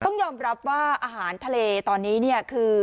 ต้องยอมรับว่าอาหารทะเลตอนนี้